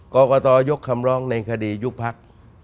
กรกตยกคำร้องในคดียุบพัก